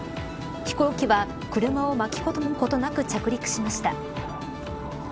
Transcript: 飛行機は車を巻き込むことなく着陸しました。